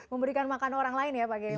memberikan makan orang lain ya pak kiai